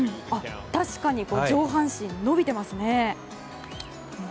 確かに上半身が伸びていましたね。